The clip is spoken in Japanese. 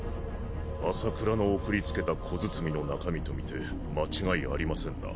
麻倉の送り付けた小包の中身とみて間違いありませんな。